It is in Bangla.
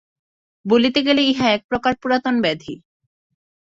বলিতে গেলে ইহা একপ্রকার পুরাতন ব্যাধি।